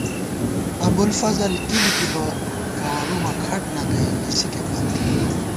ابُوالفضل کی لِکِبہ ، گوَرُومہ کھٹ ننگئ لِسِکے پت